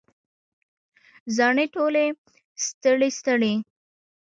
زاڼې ټولې ستړي، ستړي